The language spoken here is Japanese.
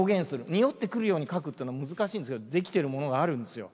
匂ってくるように描くっていうのは難しいんですけどできてるものがあるんですよ。